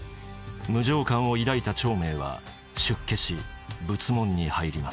無常観を抱いた長明は出家し仏門に入ります。